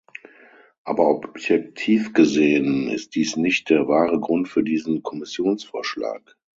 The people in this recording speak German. Aber objektiv gesehen ist dies nicht der wahre Grund für diesen Kommissionsvorschlag.